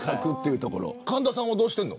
神田さんはどうしてるの。